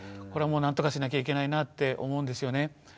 これはもうなんとかしなきゃいけないなって思うんですよね。